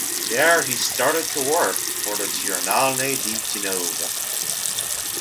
There he started to work for the "Giornale di Genova".